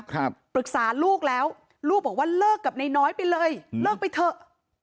ปรึกษาลูกแล้วลูกบอกว่าเลิกกับนายน้อยไปเลยอืมเลิกไปเถอะ